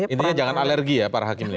intinya jangan alergi ya para hakim ini